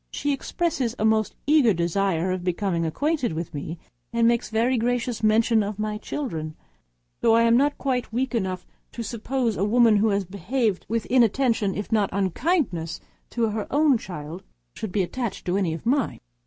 She expresses a most eager desire of being acquainted with me, and makes very gracious mention of my children but I am not quite weak enough to suppose a woman who has behaved with inattention, if not with unkindness, to her own child, should be attached to any of mine.